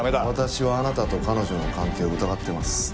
私はあなたと彼女の関係を疑ってます